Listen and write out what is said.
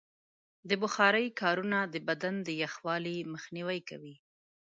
د بخارۍ کارونه د بدن د یخوالي مخنیوی کوي.